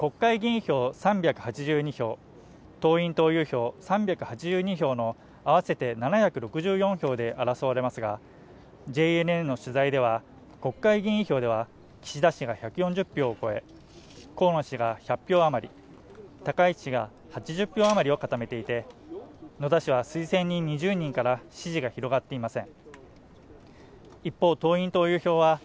総裁選は国会議員票３８２票党員党遊票３８２票の合わせて７６４票で争われますがＪＮＮの取材では国会議員票では岸田氏が１４０票を超え河野氏が１００票余り高市が８０票余りを固めていて野田氏は推薦人２０人から支持が広がっていません